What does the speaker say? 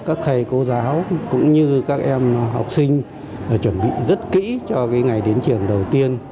các thầy cô giáo cũng như các em học sinh chuẩn bị rất kỹ cho ngày đến trường đầu tiên